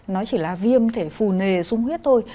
nó chỉ là viêm thể phù nề dung huyết thôi